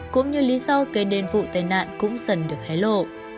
cũng như lý do gây nên vụ tai nạn cũng dần được hé lộ